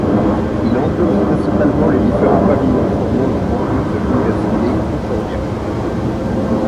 Il englobe principalement les différents pavillons formant le campus de l'Université Concordia.